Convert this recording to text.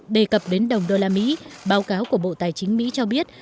đề cập đến đồng đô la mỹ báo cáo của bộ tài chính mỹ cho biết